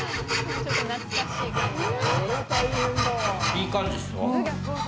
いい感じですよ。